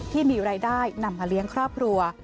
ที่มีรายได้นำมาเลี้ยงครอบครัว